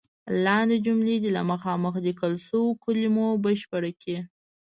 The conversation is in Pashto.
لاندې جملې دې له مخامخ لیکل شوو کلمو بشپړې کړئ.